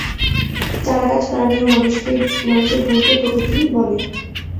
চারাগাছ, প্রাণী ও মানুষের গুণকে প্রকৃতি বলে।